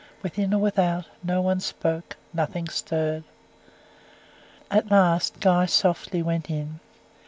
Within or without no one spoke nothing stirred. At last Guy softly went in.